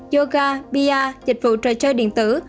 yoga pr dịch vụ trò chơi điện tử